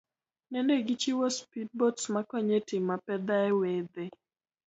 Nende gichiwo speed boats makonyo etimo apedha ewedhe.